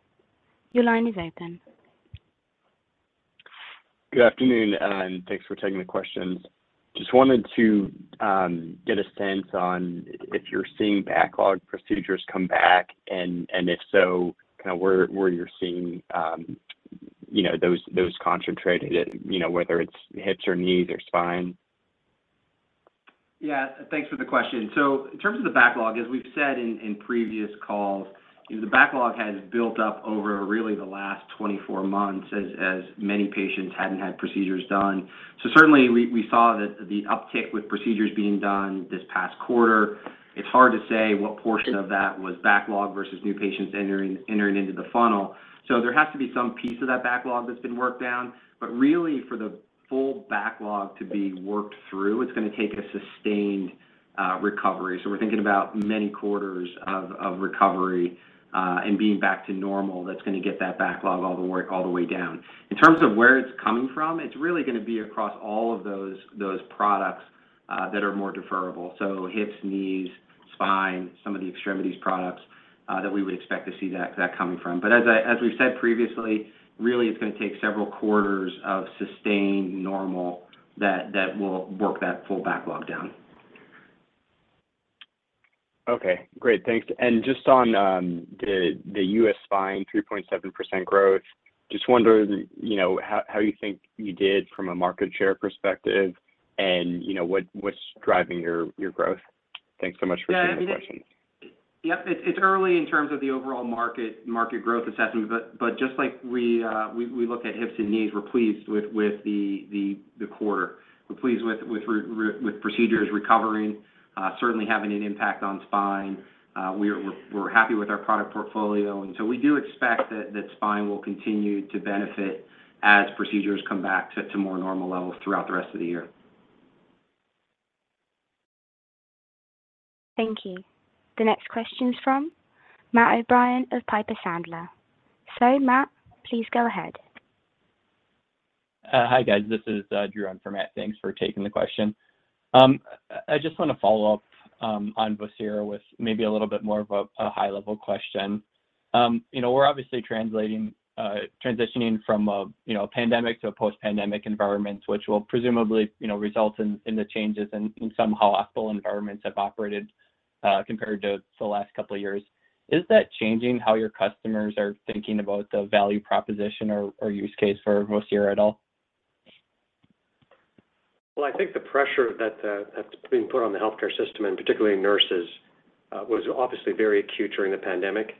A: Your line is open.
L: Good afternoon, and thanks for taking the questions. Just wanted to get a sense on if you're seeing backlog procedures come back and if so, kind of where you're seeing you know those concentrated you know whether it's hips or knees or spine?
C: Yeah. Thanks for the question. In terms of the backlog, as we've said in previous calls, you know, the backlog has built up over really the last 24 months as many patients hadn't had procedures done. Certainly, we saw the uptick with procedures being done this past quarter. It's hard to say what portion of that was backlog versus new patients entering into the funnel. There has to be some piece of that backlog that's been worked down. Really, for the full backlog to be worked through, it's gonna take a sustained recovery. We're thinking about many quarters of recovery and being back to normal that's gonna get that backlog all the way down. In terms of where it's coming from, it's really gonna be across all of those products that are more deferrable, so hips, knees, spine, some of the extremities products that we would expect to see that coming from. As we said previously, really it's gonna take several quarters of sustained normal that will work that full backlog down.
L: Okay. Great. Thanks. Just on the US spine 3.7% growth, just wondering, you know, how you think you did from a market share perspective and, you know, what's driving your growth. Thanks so much for taking the questions.
C: Yep. It's early in terms of the overall market growth assessment, but just like we look at hips and knees, we're pleased with the quarter. We're pleased with procedures recovering, certainly having an impact on spine. We're happy with our product portfolio. We do expect that spine will continue to benefit as procedures come back to more normal levels throughout the rest of the year.
A: Thank you. The next question's from Matt O'Brien of Piper Sandler. Matt, please go ahead.
M: Hi guys. This is Drew in for Matt. Thanks for taking the question. I just wanna follow up on Vocera with maybe a little bit more of a high level question. You know, we're obviously transitioning from a pandemic to a post-pandemic environment, which will presumably result in changes in how hospital environments have operated compared to the last couple of years. Is that changing how your customers are thinking about the value proposition or use case for Vocera at all?
B: I think the pressure that that's been put on the healthcare system and particularly nurses was obviously very acute during the pandemic.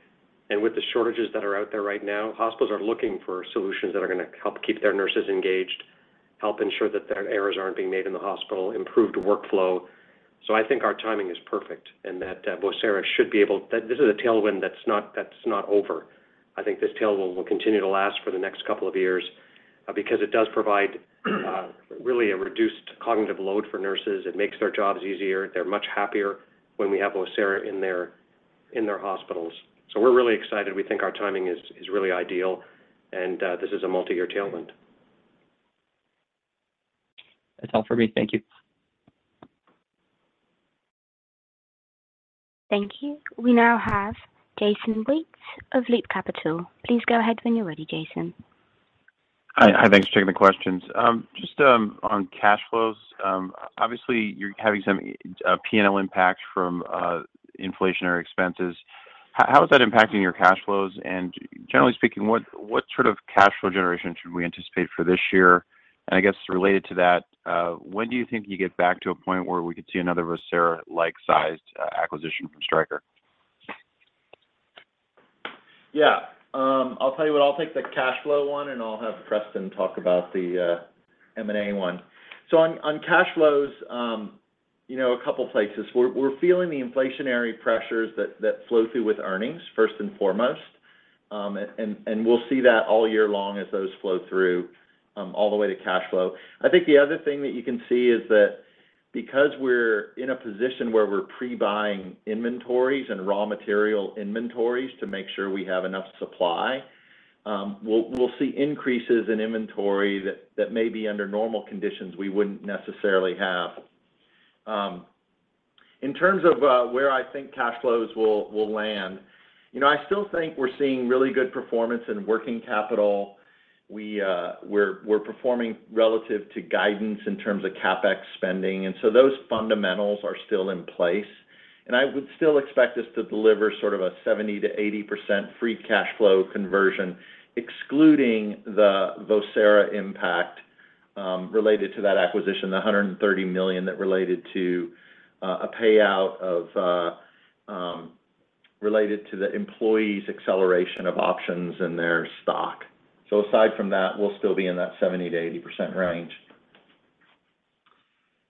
B: With the shortages that are out there right now, hospitals are looking for solutions that are gonna help keep their nurses engaged, help ensure that their errors aren't being made in the hospital, improve the workflow. I think our timing is perfect and that Vocera should be able. That this is a tailwind that's not over. I think this tailwind will continue to last for the next couple of years because it does provide really a reduced cognitive load for nurses. It makes their jobs easier. They're much happier when we have Vocera in their hospitals. We're really excited. We think our timing is really ideal and this is a multi-year tailwind.
M: That's all for me. Thank you.
A: Thank you. We now have Jason Wittes of Loop Capital. Please go ahead when you're ready, Jason.
N: Hi. Hi. Thanks for taking the questions. Just on cash flows, obviously you're having some P&L impact from inflationary expenses. How is that impacting your cash flows? Generally speaking, what sort of cash flow generation should we anticipate for this year? I guess related to that, when do you think you get back to a point where we could see another Vocera-like sized acquisition from Stryker?
C: Yeah. I'll tell you what, I'll take the cash flow one, and I'll have Preston talk about the M&A one. On cash flows, you know, a couple places. We're feeling the inflationary pressures that flow through with earnings first and foremost. And we'll see that all year long as those flow through all the way to cash flow. I think the other thing that you can see is that because we're in a position where we're pre-buying inventories and raw material inventories to make sure we have enough supply, we'll see increases in inventory that may be under normal conditions we wouldn't necessarily have. In terms of where I think cash flows will land, you know, I still think we're seeing really good performance in working capital. We're performing relative to guidance in terms of CapEx spending, and those fundamentals are still in place. I would still expect us to deliver sort of a 70%-80% free cash flow conversion, excluding the Vocera impact related to that acquisition, the $130 million that related to a payout related to the employees' acceleration of options in their stock. Aside from that, we'll still be in that 70%-80% range.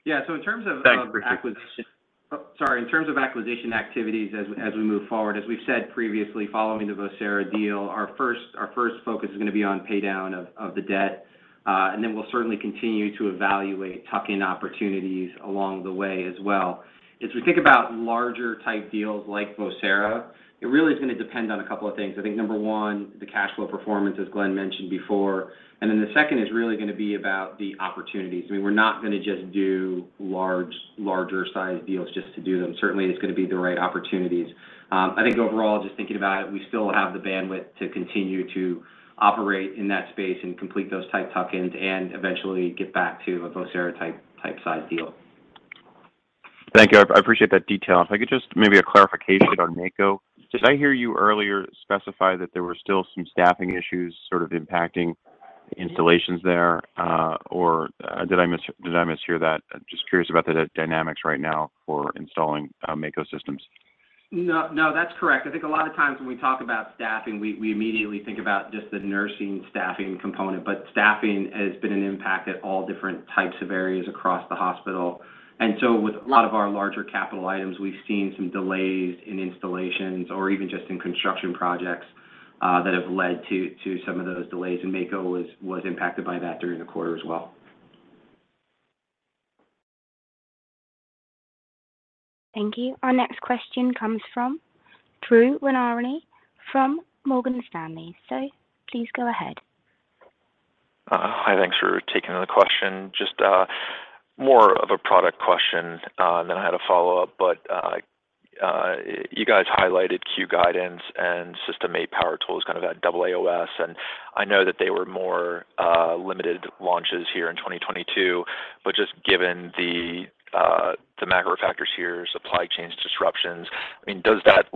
M: Thanks. Appreciate it.
C: Oh, sorry. In terms of acquisition activities as we move forward, as we've said previously, following the Vocera deal, our first focus is gonna be on pay down of the debt. We'll certainly continue to evaluate tuck-in opportunities along the way as well. As we think about larger type deals like Vocera, it really is gonna depend on a couple of things. I think number one, the cash flow performance, as Glenn mentioned before. The second is really gonna be about the opportunities. I mean, we're not gonna just do larger sized deals just to do them. Certainly it's gonna be the right opportunities. I think overall just thinking about it, we still have the bandwidth to continue to operate in that space and complete those type tuck-ins and eventually get back to a Vocera type sized deal.
N: Thank you. I appreciate that detail. If I could just maybe a clarification on Mako. Did I hear you earlier specify that there were still some staffing issues sort of impacting installations there? Or, did I mishear that? Just curious about the dynamics right now for installing Mako systems.
C: No, no, that's correct. I think a lot of times when we talk about staffing, we immediately think about just the nursing staffing component, but staffing has been an impact at all different types of areas across the hospital. With a lot of our larger capital items, we've seen some delays in installations or even just in construction projects that have led to some of those delays, and Mako was impacted by that during the quarter as well.
A: Thank you. Our next question comes from Drew Ranieri from Morgan Stanley. Please go ahead.
O: Hi. Thanks for taking the question. Just more of a product question than I had a follow up. You guys highlighted Q Guidance and System 9 power tools, kind of that AAOS, and I know that they were more limited launches here in 2022. Just given the macro factors here, supply chain disruptions, I mean, does that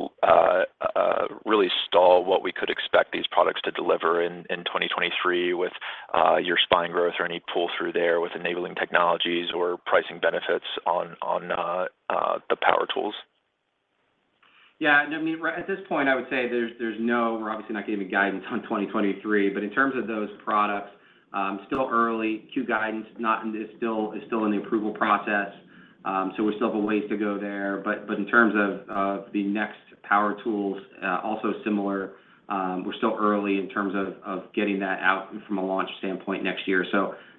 P: Realistically, what we could expect these products to deliver in 2023 with your spine growth or any pull-through there with enabling technologies or pricing benefits on the power tools?
C: Yeah. No, I mean, right, at this point, I would say we're obviously not giving guidance on 2023, but in terms of those products, still early. Q Guidance, still, it's still in the approval process, so we still have a ways to go there. In terms of the next power tools, also similar, we're still early in terms of getting that out from a launch standpoint next year.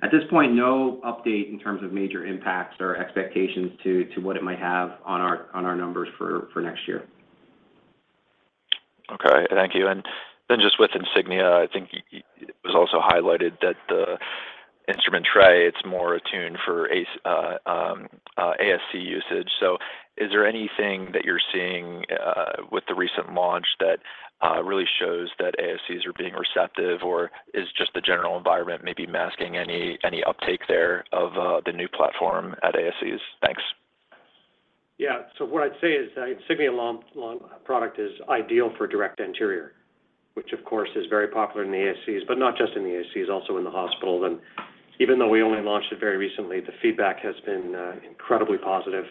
C: At this point, no update in terms of major impacts or expectations to what it might have on our numbers for next year.
P: Okay. Thank you. Just with Insignia, I think it was also highlighted that the instrument tray, it's more attuned for ASC usage. Is there anything that you're seeing with the recent launch that really shows that ASCs are being receptive, or is just the general environment maybe masking any uptake there of the new platform at ASCs? Thanks.
B: Yeah. What I'd say is the Insignia long, long product is ideal for direct anterior, which of course is very popular in the ASCs, but not just in the ASCs, also in the hospital. Even though we only launched it very recently, the feedback has been incredibly positive.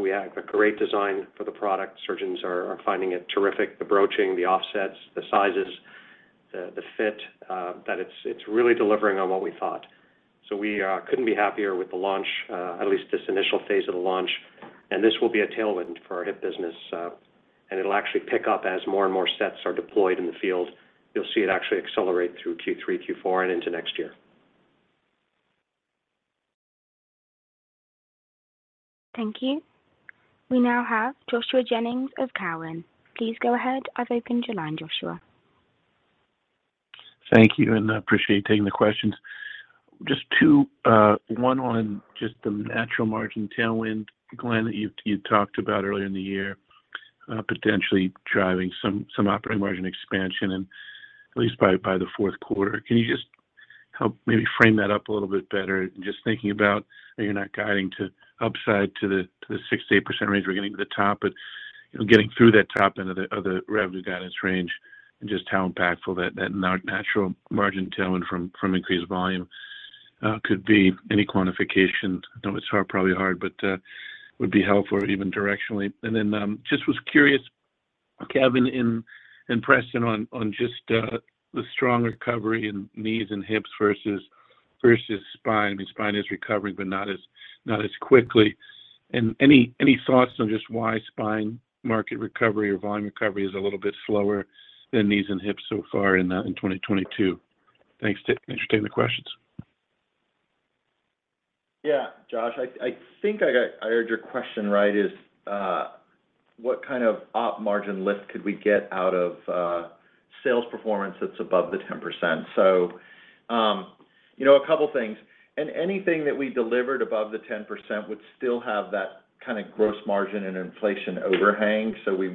B: We have a great design for the product. Surgeons are finding it terrific, the broaching, the offsets, the sizes, the fit, that it's really delivering on what we thought. We couldn't be happier with the launch, at least this initial phase of the launch. This will be a tailwind for our hip business, and it'll actually pick up as more and more sets are deployed in the field. You'll see it actually accelerate through Q3, Q4, and into next year.
A: Thank you. We now have Joshua Jennings of Cowen. Please go ahead. I've opened your line, Joshua.
Q: Thank you, and I appreciate taking the questions. Just two, one on just the natural margin tailwind, Glenn, that you talked about earlier in the year, potentially driving some operating margin expansion and at least by the fourth quarter. Can you just help maybe frame that up a little bit better? Just thinking about how you're not guiding to upside to the six to eight percent range. We're getting to the top, but you know, getting through that top end of the revenue guidance range and just how impactful that natural margin tailwind from increased volume could be. Any quantification? I know it's hard, probably hard, but would be helpful even directionally. Then, just was curious, Kevin and Preston on just the strong recovery in knees and hips versus spine.
R: I mean, spine is recovering but not as quickly. Any thoughts on just why spine market recovery or volume recovery is a little bit slower than knees and hips so far in 2022? Thanks for taking the questions.
C: Yeah. Josh, I think I heard your question right, is what kind of op margin lift could we get out of sales performance that's above the 10%. You know, a couple things. Anything that we delivered above the 10% would still have that kinda gross margin and inflation overhang.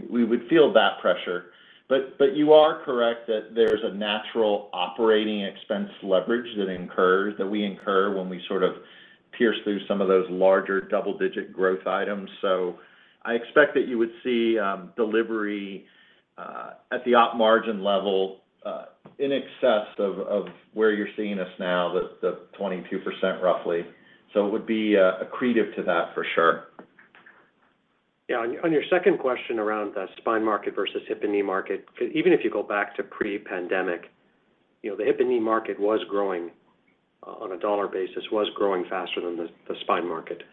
C: We would feel that pressure. But you are correct that there's a natural operating expense leverage that incurs, that we incur when we sort of pierce through some of those larger double-digit growth items. I expect that you would see delivery at the op margin level in excess of where you're seeing us now, the 22% roughly. It would be accretive to that for sure.
B: Yeah. On your second question around the spine market versus hip and knee market, even if you go back to pre-pandemic, you know, the hip and knee market was growing, on a dollar basis, was growing faster than the spine market.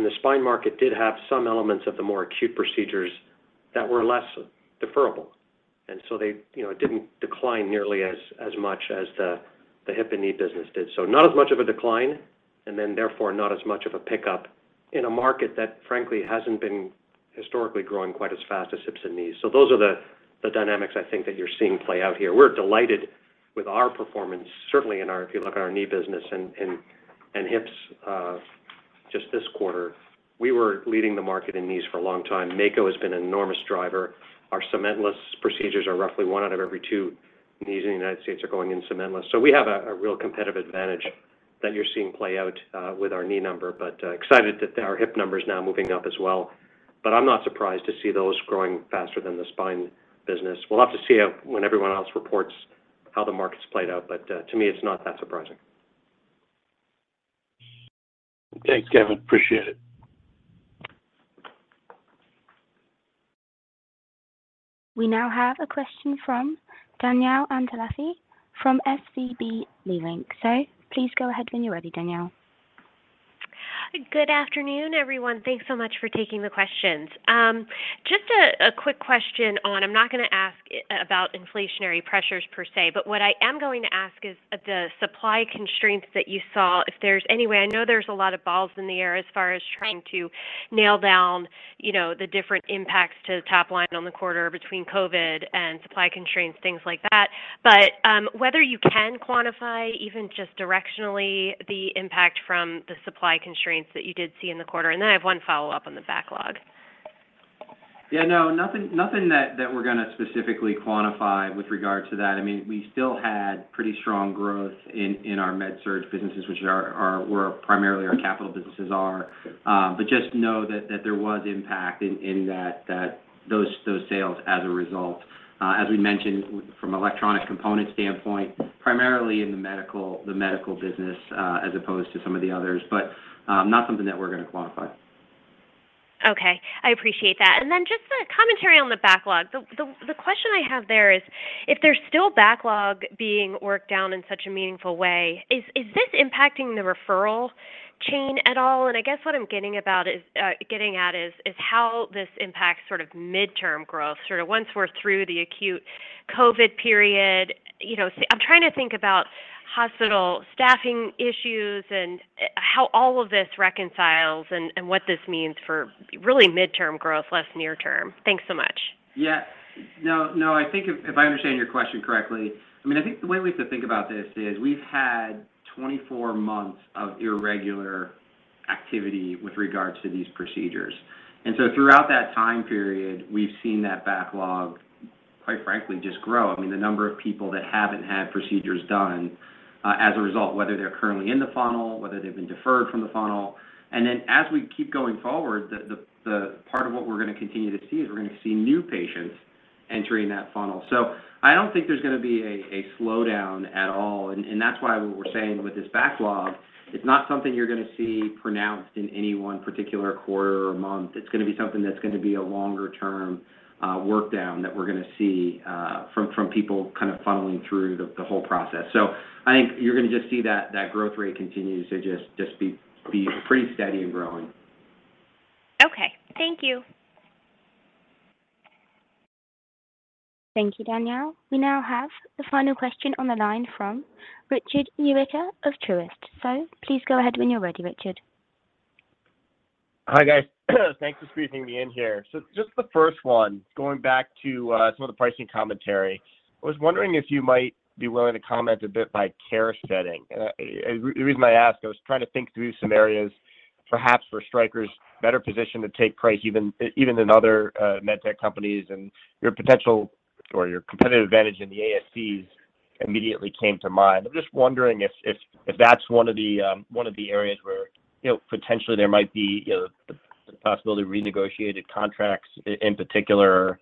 B: The spine market did have some elements of the more acute procedures that were less deferrable. They, you know, it didn't decline nearly as much as the hip and knee business did. Not as much of a decline, and then therefore not as much of a pickup in a market that frankly hasn't been historically growing quite as fast as hips and knees. Those are the dynamics I think that you're seeing play out here. We're delighted with our performance, certainly in our, if you look at our knee business and hips, just this quarter. We were leading the market in knees for a long time. Mako has been an enormous driver. Our cementless procedures are roughly one out of every two knees in the United States are going in cementless. We have a real competitive advantage that you're seeing play out with our knee number. Excited that our hip number's now moving up as well. I'm not surprised to see those growing faster than the spine business. We'll have to see how, when everyone else reports how the market's played out. To me, it's not that surprising.
Q: Okay, Kevin. Appreciate it.
A: We now have a question from Dannielle Antalffy from SVB Leerink. Please go ahead when you're ready, Danielle.
S: Good afternoon, everyone. Thanks so much for taking the questions. Just a quick question on, I'm not gonna ask about inflationary pressures per se, but what I am going to ask is the supply constraints that you saw, if there's any way, I know there's a lot of balls in the air as far as trying to nail down, you know, the different impacts to the top line on the quarter between COVID and supply constraints, things like that. Whether you can quantify even just directionally the impact from the supply constraints that you did see in the quarter, and then I have one follow-up on the backlog.
C: Yeah, no, nothing that we're gonna specifically quantify with regard to that. I mean, we still had pretty strong growth in our MedSurg businesses, which are where primarily our capital businesses are. Just know that there was impact in that those sales as a result. As we mentioned from an electronic component standpoint, primarily in the MedSurg business, as opposed to some of the others. Not something that we're gonna quantify.
S: Okay. I appreciate that. Then just a commentary on the backlog. The question I have there is if there's still backlog being worked down in such a meaningful way, is this impacting the referral chain at all? I guess what I'm getting at is how this impacts sort of midterm growth, sort of once we're through the acute COVID period. You know, I'm trying to think about hospital staffing issues and how all of this reconciles and what this means for really midterm growth, less near term. Thanks so much.
C: Yeah. No, no. I think if I understand your question correctly, I mean, I think the way we have to think about this is we've had 24 months of irregular activity with regard to these procedures. Throughout that time period, we've seen that backlog, quite frankly, just grow. I mean, the number of people that haven't had procedures done, as a result, whether they're currently in the funnel, whether they've been deferred from the funnel. Then as we keep going forward, the part of what we're gonna continue to see is we're gonna see new patients entering that funnel. I don't think there's gonna be a slowdown at all. That's why we're saying with this backlog, it's not something you're gonna see pronounced in any one particular quarter or month. It's gonna be something that's gonna be a longer term work down that we're gonna see from people kind of funneling through the whole process. I think you're gonna just see that growth rate continues to just be pretty steady and growing.
S: Okay. Thank you.
A: Thank you, Danielle. We now have the final question on the line from Richard Newitter of Truist. Please go ahead when you're ready, Richard.
T: Hi, guys. Thanks for squeezing me in here. Just the first one, going back to some of the pricing commentary. I was wondering if you might be willing to comment a bit by care setting. The reason I ask, I was trying to think through some areas perhaps where Stryker's better positioned to take price even than other med tech companies, and your potential or your competitive advantage in the ASCs immediately came to mind. I'm just wondering if that's one of the areas where, you know, potentially there might be a possibility of renegotiated contracts in particular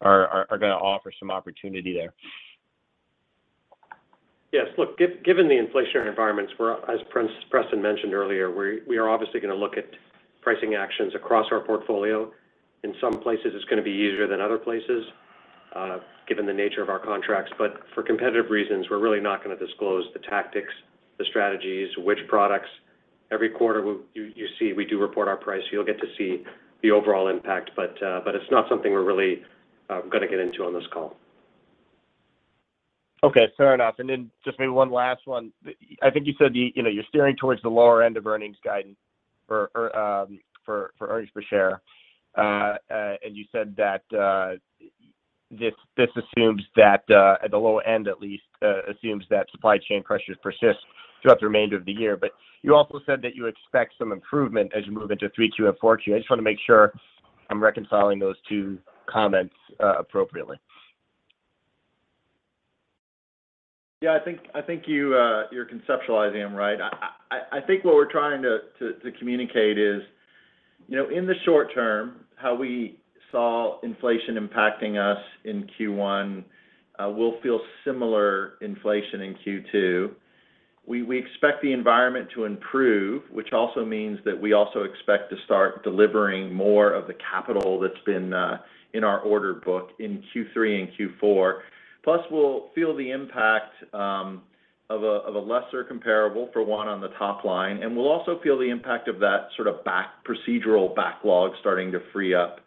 T: are gonna offer some opportunity there.
C: Yes. Look, given the inflationary environments we're in, as Preston Wells mentioned earlier, we are obviously gonna look at pricing actions across our portfolio. In some places, it's gonna be easier than other places, given the nature of our contracts. For competitive reasons, we're really not gonna disclose the tactics, the strategies, which products. Every quarter you see, we do report our pricing, so you'll get to see the overall impact. It's not something we're really gonna get into on this call.
T: Okay. Fair enough. Just maybe one last one. I think you said that you know, you're steering towards the lower end of earnings guidance for earnings per share. And you said that this assumes that at the low end at least supply chain pressures persist throughout the remainder of the year. You also said that you expect some improvement as you move into 3Q and 4Q. I just wanna make sure I'm reconciling those two comments appropriately.
C: Yeah, I think you're conceptualizing them right. I think what we're trying to communicate is, you know, in the short term, how we saw inflation impacting us in Q1, we'll feel similar inflation in Q2. We expect the environment to improve, which also means that we expect to start delivering more of the capital that's been in our order book in Q3 and Q4. We'll feel the impact of a lesser comparable from Q1 on the top line, and we'll also feel the impact of that sort of procedural backlog starting to free up,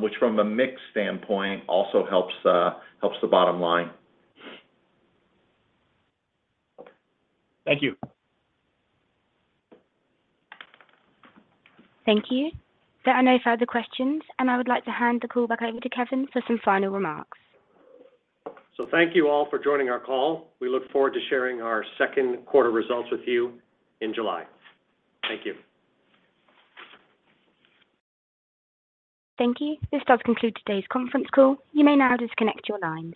C: which from a mix standpoint also helps the bottom line.
T: Thank you.
A: Thank you. There are no further questions, and I would like to hand the call back over to Kevin for some final remarks.
C: Thank you all for joining our call. We look forward to sharing our second quarter results with you in July. Thank you.
A: Thank you. This does conclude today's conference call. You may now disconnect your lines.